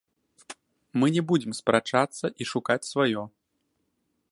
Мы не будзем спрачацца і шукаць сваё.